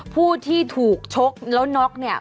ผู้ที่ถูกชกแล้วน็อกเนี่ย